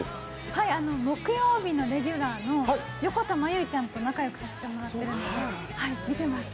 はい、木曜日のレギュラーの横田真悠ちゃんと仲良くさせてもらっているので見てます。